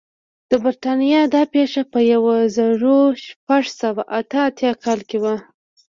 د برېټانیا دا پېښه په یو زرو شپږ سوه اته اتیا کال کې وه.